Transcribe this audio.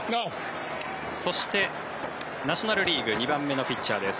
そしてナショナル・リーグ２番目のピッチャーです。